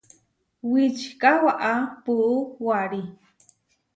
Wičika waʼá puú warí.